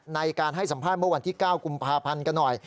ในการให้สัมภาษณ์เมื่อกว่าที่๙กุพกันหน่อย